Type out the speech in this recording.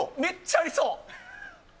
ありそう。